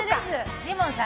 ジモンさん